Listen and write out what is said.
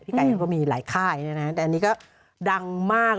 ไก่เขาก็มีหลายค่ายนะฮะแต่อันนี้ก็ดังมาก